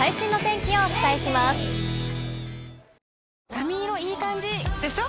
髪色いい感じ！でしょ？